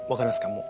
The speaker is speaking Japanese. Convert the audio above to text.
もう。